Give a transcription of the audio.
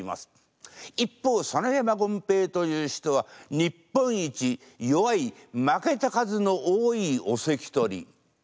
一方佐野山権兵衛という人は日本一弱い負けた数の多いお関取。